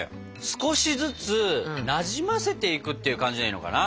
少しずつなじませていくっていう感じでいいのかな？